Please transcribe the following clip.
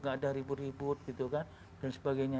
gak ada ribut ribut gitu kan dan sebagainya